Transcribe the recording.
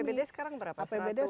apbd sekarang berapa